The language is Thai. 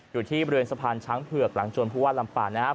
อยู่ที่บริเวณสะพานช้างเผือกหลังจวนผู้ว่าลำปานนะครับ